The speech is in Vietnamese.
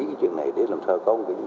cái chuyện này để làm sao có một cái